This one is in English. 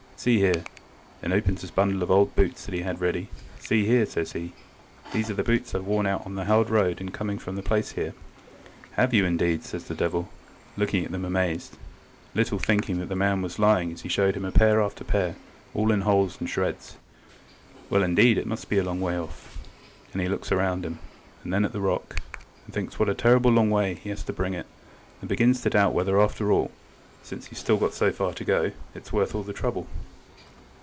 "See here," and he opens his bundle of old boots that he had ready,—"see here," says he, "these are the boots I've worn out on the hard road in coming from the place here." "'Have you, indeed!' says the devil, looking at them amazed, little thinking that the man was lying as he showed him pair after pair, all in holes and shreds. "Well, indeed, it must be a long way off," and he looks around him, and then at the rock, and thinks what a terrible long way he has had to bring it, and begins to doubt whether, after all, since he's still got so far to go, it's worth all the trouble.